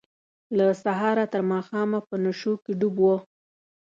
له سهاره تر ماښامه په نشو کې ډوب وه.